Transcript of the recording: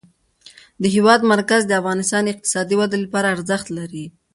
د هېواد مرکز د افغانستان د اقتصادي ودې لپاره ارزښت لري.